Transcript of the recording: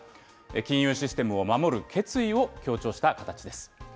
金融システムを守る決意を強調した形です。